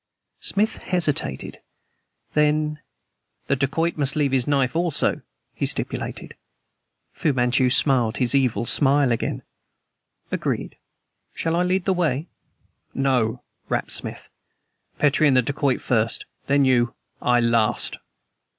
Smith hesitated. Then: "The dacoit must leave his knife also," he stipulated. Fu Manchu smiled his evil smile again. "Agreed. Shall I lead the way?" "No!" rapped Smith. "Petrie and the dacoit first; then you; I last."